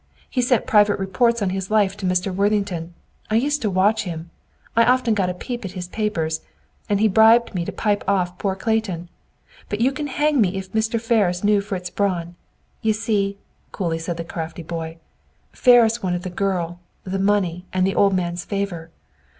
He sent private reports on his life to Mr. Worthington. I used to watch him. I often got a peep at his papers, and he bribed me to pipe off poor Clayton. But you can hang me if Ferris knew Fritz Braun. You see," coolly said the crafty boy, "Ferris wanted the girl, the money, and the old man's favor.